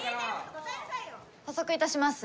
補足いたします。